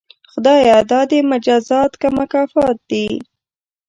خدایه دا دې مجازات که مکافات دي؟